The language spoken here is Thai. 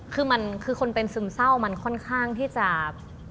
คือมันคือคนเป็นซึมเศร้ามันค่อนข้างที่จะ